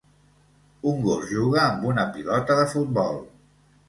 Un gos juga amb una pilota de futbol